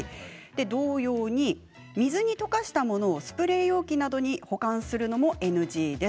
同様に水に溶かしたものをスプレー容器などに保管するのもＮＧです。